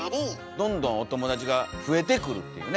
どんどんお友達が増えてくるっていうね。